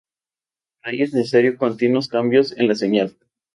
Para ello es necesario continuos cambios en la señal.